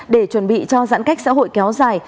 để chuẩn bị cho giãn cách xã hội kéo dài